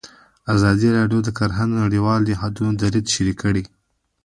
ازادي راډیو د کرهنه د نړیوالو نهادونو دریځ شریک کړی.